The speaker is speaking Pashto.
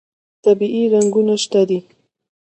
طبیعي رنګونه شته.